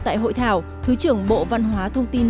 tại hội thảo thứ trưởng bộ văn hóa thông tin